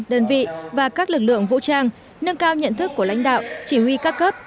đơn vị và các lực lượng vũ trang nâng cao nhận thức của lãnh đạo chỉ huy các cấp